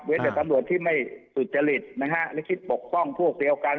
แต่ตำรวจที่ไม่สุจริตนะฮะหรือคิดปกป้องพวกเดียวกัน